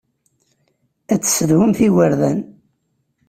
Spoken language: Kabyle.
Ad tessedhumt igerdan.